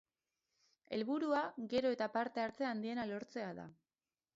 Helburua gero eta parte hartze handiena lortzea da.